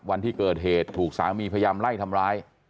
วันที่เกิดเหตุถูกสามีพยายามไล่ทำร้าย